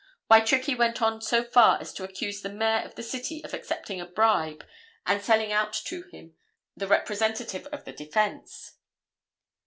Why, Trickey went so far as to accuse the Mayor of the city of accepting a bribe and selling out to him, the representative of the defense."